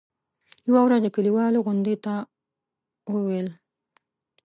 يوه ورځ د کلیوالو غونډې ته وویل.